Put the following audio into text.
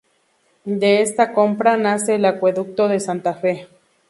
De esta compra nace el Acueducto de Santa Fe.